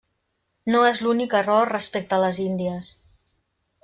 No és l'únic error respecte a les índies.